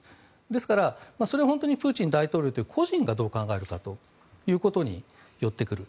ですから、それは本当にプーチン大統領という個人がどう考えるかということによってくる。